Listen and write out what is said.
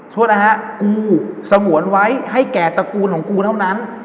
โทษนะฮะกูสงวนไว้ให้แก่ตระกูลของกูเท่านั้น